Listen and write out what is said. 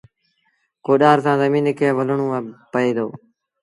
ڪوڏآر سآݩ زميݩ کي ولڻون پئي دو